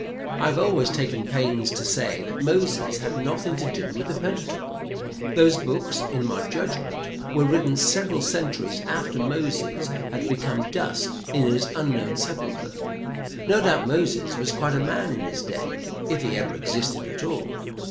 I have always taken pains to say that Moses had nothing to do with the Pentateuch. Those books, in my judgment, were written several centuries after Moses had become dust in his unknown sepulchre. No doubt Moses was quite a man in his day, if he ever existed at all.